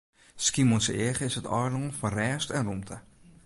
Skiermûntseach is in eilân fan rêst en rûmte.